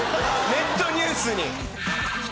ネットニュースに。